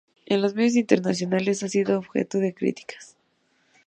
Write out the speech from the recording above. En los medios internacionales, ha sido objeto de críticas.